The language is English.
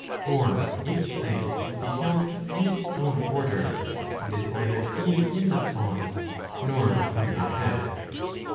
Or each thing is beheld in its own order, and is neither seen in the cause nor in the effect.